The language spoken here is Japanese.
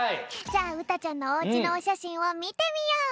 じゃあうたちゃんのおうちのおしゃしんをみてみよう！